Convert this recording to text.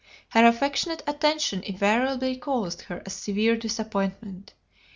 Her affectionate attention invariably caused her a severe disappointment.